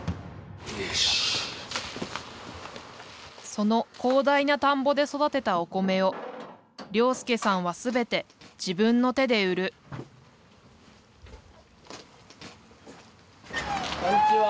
その広大な田んぼで育てたお米を良介さんは全て自分の手で売るこんちは。